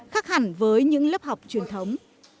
khác hẳn với những lớp học truyền thống